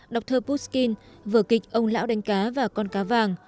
đọc thơ pushkin vừa kịch ông lão đánh cá và con cá vật